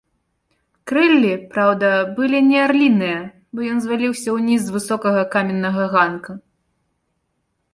Крыллі, праўда, былі не арліныя, бо ён зваліўся ўніз з высокага каменнага ганка.